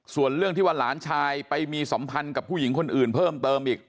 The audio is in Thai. ส่วนเรื่องที่ว่าหลานชายไปมีสัมพันธ์กับผู้หญิงคนอื่นเพิ่มเติมอีก